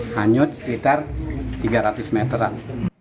hanyut sekitar tiga ratus meteran